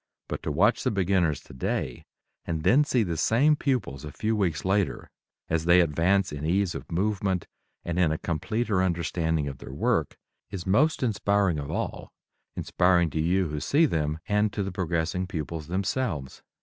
But to watch the beginners today, and then see the same pupils a few weeks later as they advance in ease of movement and in a completer understanding of their work, is most inspiring of all inspiring to you who see them and to the progressing pupils themselves.